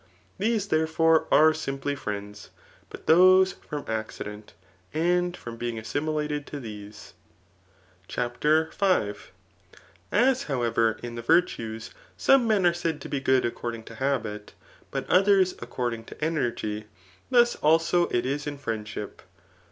These, therefore, are simply friends ; but those from accident, and from bemg assimilated to these. Digitized by Google 298 THE NICOMACHIAK BOOXL VllX. CHAPTER V, As, however, in the virtues, some men are said to be good according to habit, but others according to energy, thus also it is in friendship.